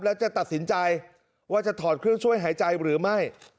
แล้วจะตัดสินใจว่าจะถอดเครื่องช่วยหายใจหรือไม่